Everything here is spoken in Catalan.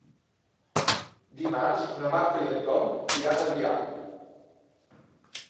Dimarts na Marta i en Tom iran a Biar.